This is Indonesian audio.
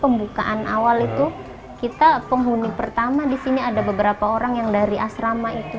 pembukaan awal itu kita penghuni pertama di sini ada beberapa orang yang dari asrama itu